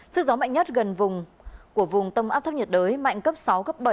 sức gió mạnh nhất gần vùng tâm áp thấp nhiệt đới mạnh cấp sáu cấp bảy